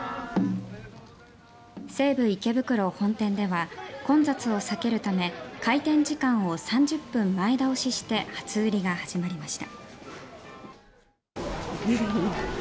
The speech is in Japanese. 西武池袋本店では混雑を避けるため開店時間を３０分前倒しして初売りが始まりました。